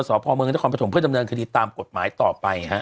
สหพเมืองและความประถงเพื่อดำเนินคดีตามกฎหมายต่อไปฮะ